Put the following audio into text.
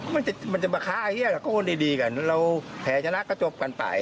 มันจะมาฆ่าไอ้เหี้ยก็โอนดีกันเราแพ้ชนะก็จบกันไป